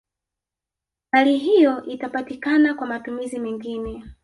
Mali hiyo itapatikana kwa matumizi mengine